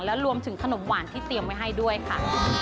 และรวมถึงขนมหวานที่เตรียมไว้ให้ด้วยค่ะ